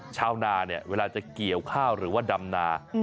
ชาวนาเนี่ยเวลาจะเกี่ยวข้าวหรือว่าดำนา